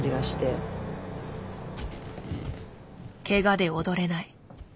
けがで踊れない。